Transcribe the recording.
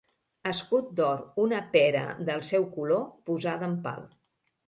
Escut d'or, una pera del seu color, posada en pal.